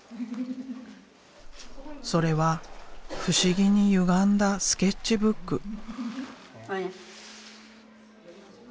それは不思議にゆがんだスケッチブック。